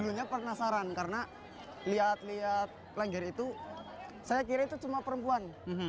dulunya penasaran karena lihat lihat lengger itu saya kira itu cuma perempuan